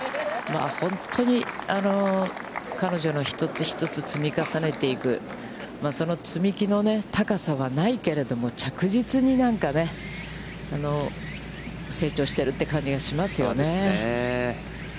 本当に彼女の一つ一つ、積み重ねていく、その積み木の高さはないけれども、着実に、なんかね、成長してるって感じがしますよね。